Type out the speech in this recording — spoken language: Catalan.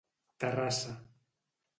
Terrassa.